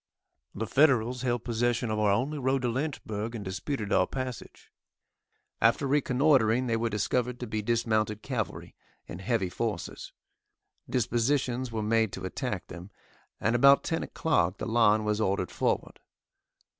The Federals held possession of our only road to Lynchburg, and disputed our passage. After reconnoitering, they were discovered to be dismounted cavalry, in heavy forces. Dispositions were made to attack them, and about 10 o'clock the line was ordered forward.